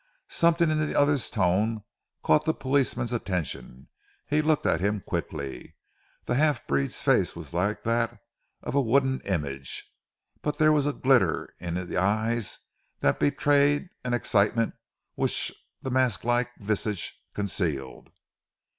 Something in the other's tone caught the policeman's attention. He looked at him quickly. The half breed's face was like that of a wooden image, but there was a glitter in the eyes that betrayed an excitement which the mask like visage concealed.